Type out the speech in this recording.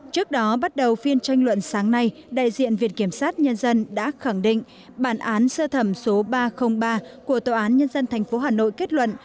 trước đó bắt đầu phiên tranh luận sáng nay đại diện viện kiểm sát nhân dân đã khẳng định bản án sơ thẩm số ba trăm linh ba của tòa án nhân dân tp hà nội kết luận